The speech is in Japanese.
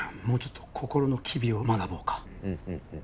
もうちょっと心の機微を学ぼうかうん